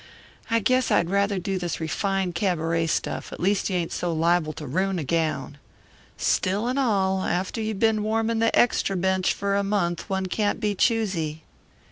I guess I rather do this refined cabaret stuff at least you ain't so li'ble to roon a gown. Still and all, after you been warmin' the extra bench for a month one can't be choosy.